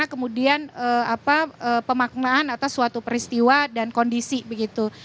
kemudian pemaknaan atas suatu peristiwa dan kondisi begitu